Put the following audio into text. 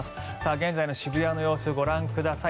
現在の渋谷の様子ご覧ください。